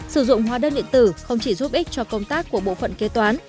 sử dụng hóa đơn điện tử không chỉ giúp ích cho công tác của bộ phận kế toán